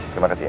terima kasih ya